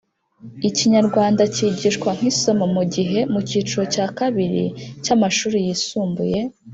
ikinyarwanda kigishwa nk’isomo mu gihe mu kiciro cya kabiri cy’amashuri yisumbuye